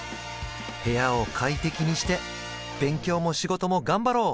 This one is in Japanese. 部屋を快適にして勉強も仕事も頑張ろう